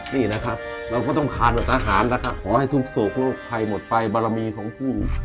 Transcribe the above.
นี่นะครับเราก็ต้องขาดดับนาฐานนะคะขอให้ทุกศูกร์โลกไพรหมดภัยบารมีของผู้